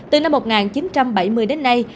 từ năm một nghìn chín trăm bảy mươi đến nay